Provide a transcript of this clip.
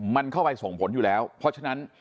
มันเข้าไปส่งผลอยู่แล้วเพราะฉะนั้น